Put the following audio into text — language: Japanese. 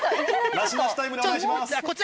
なしなしタイムでお願いします。